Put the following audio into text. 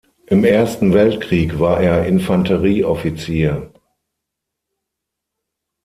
Im Ersten Weltkrieg war er Infanterie-Offizier.